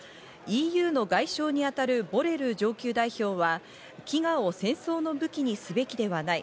ＥＵの外相にあたるボレル上級代表は飢餓を戦争の武器にすべきではない。